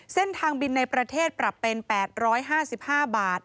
เส้นทางบินในประเทศปรับเป็น๘๕๕บาท